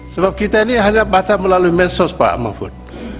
sebab kita ini hanya baca melalui medsos pak mahfud